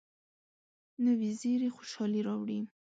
نوې زیري خوشالي راوړي